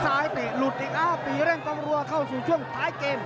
เตะหลุดอีกอ้าวปีเร่งกองรัวเข้าสู่ช่วงท้ายเกม